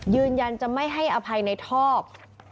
ยืนยันจะไม่ให้อภัยในทอก